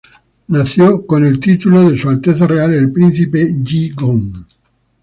Nació con el título de Su Alteza Real el Príncipe Yi Gong.